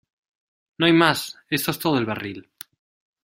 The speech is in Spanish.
¡ No hay más! ¡ esto es todo el barril !